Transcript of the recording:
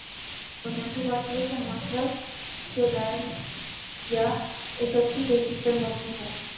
بنیادی بات یہ ہے کہ معاشرہ سولائزڈ یا ایک اچھی تہذیب پہ مبنی ہو۔